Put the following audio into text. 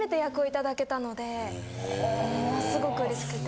ものすごく嬉しくて。